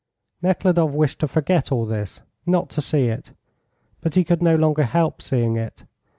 Nekhludoff wished to forget all this, not to see it, but he could no longer help seeing it.